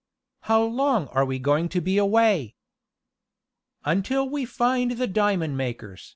"How long are we going to be away?" "Until we find the diamond makers!"